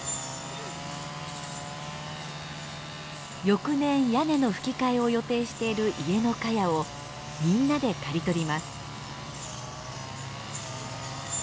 翌年屋根のふき替えを予定している家のカヤをみんなで刈り取ります。